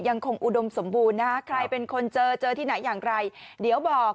อุดมสมบูรณ์นะคะใครเป็นคนเจอเจอที่ไหนอย่างไรเดี๋ยวบอก